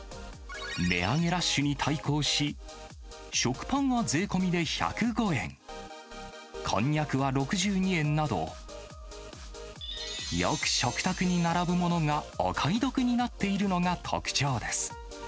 値上げラッシュに対抗し、食パンは税込みで１０５円、こんにゃくは６２円など、よく食卓に並ぶものがお買い得になっているのが特徴です。